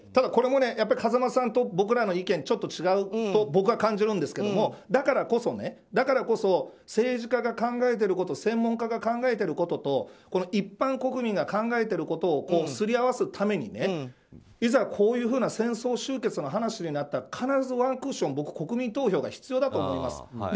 これも風間さんと僕らの意見ちょっと違うと僕は感じるんですけどだからこそ政治家が考えていること専門家が考えてることと一般国民が考えていることをすり合わすためにいざ、こういうふうな戦争終結の話になったら必ずワンクッション僕、国民投票が必要だと思います。